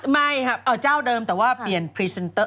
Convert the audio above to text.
ไม่ครับเอาเจ้าเดิมแต่ว่าเปลี่ยนพรีเซนเตอร์